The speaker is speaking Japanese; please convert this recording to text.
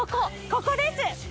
ここです！